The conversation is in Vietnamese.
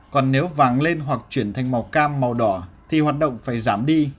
còn nếu vàng lên hoặc chuyển thành màu cam màu đỏ thì hoạt động phải giảm đi